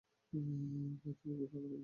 ভাই, তুমি কি পাগল নাকি?